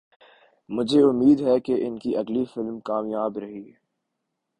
مجھے امید ہے کہ ان کی اگلی فلم کامیاب رہی